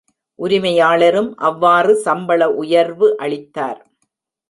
உரிமையாளரும் அவ்வாறு சம்பள உயர்வு அளித்தார்.